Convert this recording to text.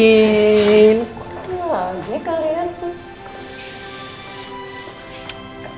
kenapa lagi kalian tuh